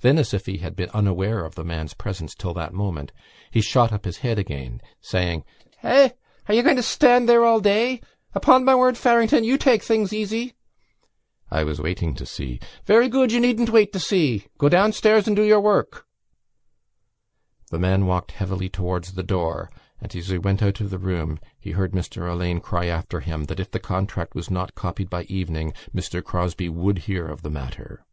Then, as if he had been unaware of the man's presence till that moment, he shot up his head again, saying: "Eh? Are you going to stand there all day? Upon my word, Farrington, you take things easy!" "I was waiting to see...." "Very good, you needn't wait to see. Go downstairs and do your work." The man walked heavily towards the door and, as he went out of the room, he heard Mr Alleyne cry after him that if the contract was not copied by evening Mr Crosbie would hear of the matter.